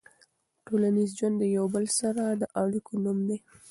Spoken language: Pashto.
ټولنیز ژوند د یو بل سره د اړیکو نوم دی.